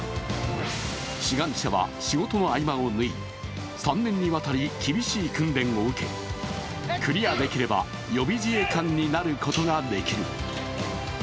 志願者は仕事の合間を縫い３年にわたり厳しい訓練を受けクリアできれば、予備自衛官になることができる。